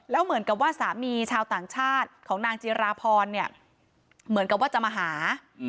แล้วเหมือนกับว่าสามีชาวต่างชาติของนางจิราพรเนี่ยเหมือนกับว่าจะมาหา